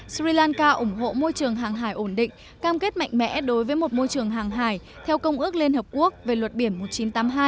sri lanka ủng hộ môi trường hàng hải ổn định cam kết mạnh mẽ đối với một môi trường hàng hải theo công ước liên hợp quốc về luật biển một nghìn chín trăm tám mươi hai